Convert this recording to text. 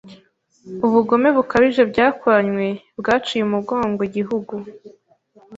Ubugome bukabije byakoranywe bwaciye umugongo igihugu